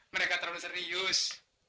mereka terlalu serius